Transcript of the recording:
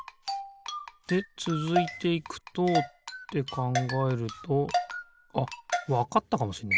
でつづいていくとってかんがえるとあっわかったかもしんない